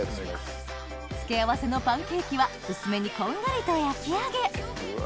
付け合わせのパンケーキは薄めにこんがりと焼き上げうわ！